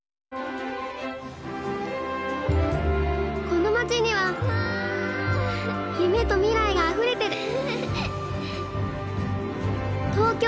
この街には夢と未来があふれてる。